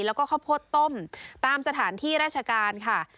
แล้วก็ข้าวโพดต้มตามสถานที่ราชการค่ะ